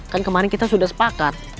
kan kemarin kita sudah sepakat